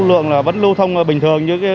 lượng là vẫn lưu thông bình thường